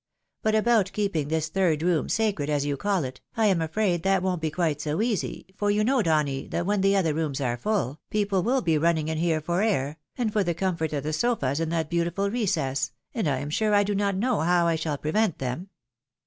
But about keeping this third room sacred, as you call it, I am afraid that won't be quite so easy, for you know, Donny, that when the other rooms are full, people will be running in here for air, and for the comfort of the sofas in that beautiful recess, and I am sure I do not know how I shall prevent them."